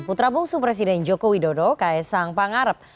putra bungsu presiden joko widodo ks sang pangarep